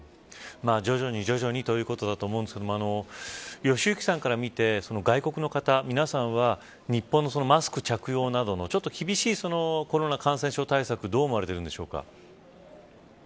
徐々に徐々にということだと思うんですけど良幸さんから見て外国の方皆さんは日本のマスク着用などのちょっと厳しいコロナ感染症対策どう思われているんでしょうか。